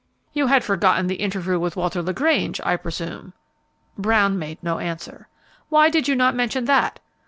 "You had forgotten the interview with Walter LaGrange, I presume." Brown made no answer. "Why did you not mention that?"